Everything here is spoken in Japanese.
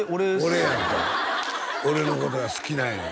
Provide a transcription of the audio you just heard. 俺やんか俺のことが好きなんよ